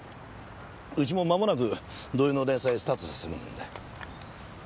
ウチも間もなく同様の連載をスタートさせるもんで。